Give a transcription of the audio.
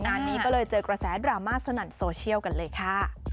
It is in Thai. งานนี้ก็เลยเจอกระแสดราม่าสนั่นโซเชียลกันเลยค่ะ